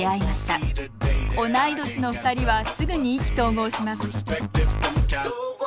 同い年の２人はすぐに意気投合します